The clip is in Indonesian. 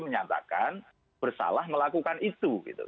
menyatakan bersalah melakukan itu